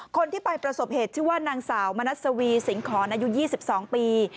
คนที่ไปประสบเหตุชื่อว่านางสาวมณัสวีสิงหอนอายุ๒๒ปี